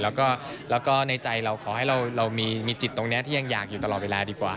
แล้วก็ในใจเราขอให้เรามีจิตตรงนี้ที่ยังอยากอยู่ตลอดเวลาดีกว่า